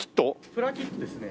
プラキットですね。